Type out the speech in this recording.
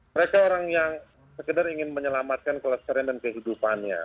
mereka orang yang sekedar ingin menyelamatkan kelestarian dan kehidupannya